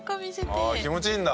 ああ気持ちいいんだ。